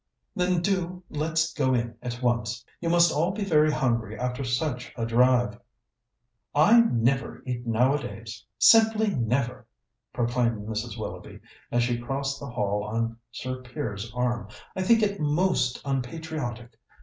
"Then, do let's go in at once. You must all be very hungry after such a drive." "I never eat nowadays simply never," proclaimed Mrs. Willoughby as she crossed the hall on Sir Piers's arm. "I think it most unpatriotic.